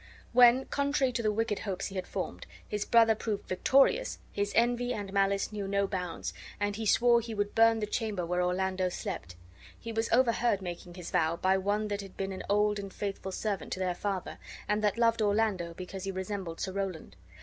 When, contrary to the wicked hopes he had formed, his brother proved victorious, his envy and malice knew no bounds, and he swore he would burn the chamber where Orlando slept. He was overheard making his vow by one that had been an old and faithful servant to their father, and that loved Orlando because he resembled Sir Rowland.